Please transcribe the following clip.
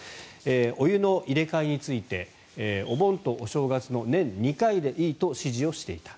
お湯の入れ替えについてお盆とお正月の年２回でいいと指示をしていた。